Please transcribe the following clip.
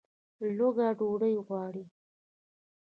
لوږه ډوډۍ غواړي